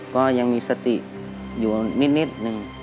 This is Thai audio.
ก็ยังมีสติอยู่นิดนึง